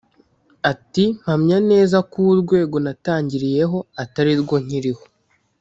Ati “ Mpamya neza ko urwego natangiriyeho atari rwo nkiriho